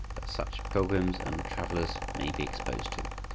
that such pilgrims and travellers may be exposed to.